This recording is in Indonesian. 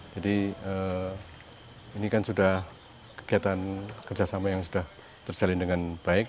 jadi ini kan sudah kegiatan kerjasama yang sudah terjalin dengan baik